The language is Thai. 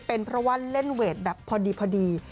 เป็นเพราะว่าเล่นเวทแบบพอดี